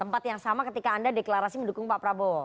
tempat yang sama ketika anda deklarasi mendukung pak prabowo